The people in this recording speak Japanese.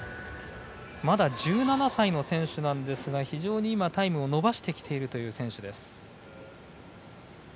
まだ１７歳の選手なんですが非常にタイムを伸ばしてきているという選手です。